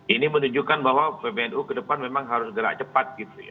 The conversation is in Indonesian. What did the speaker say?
ini menunjukkan bahwa pbnu ke depan memang harus gerak cepat gitu ya